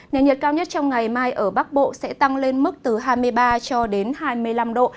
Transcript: nền nhiệt cao nhất trong ngày mai ở bắc bộ sẽ tăng lên mức từ hai mươi ba cho đến hai mươi năm độ